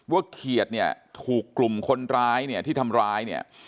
ว่าเขียร์เนี่ยถูกกลุ่มคนร้ายที่ทำร้ายเนี่ย